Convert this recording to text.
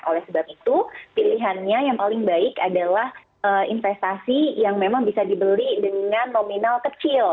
oleh sebab itu pilihannya yang paling baik adalah investasi yang memang bisa dibeli dengan nominal kecil